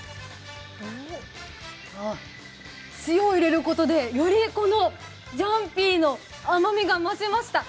あっ、塩を入れることでよりジャンピーの甘みが増しました。